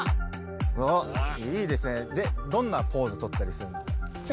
おっいいですねでどんなポーズとったりするの？